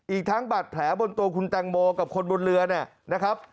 อีกทั้งบาดแผลบนตัวคุณแตงโมกับคนบนเรือเนี่ยนะครับ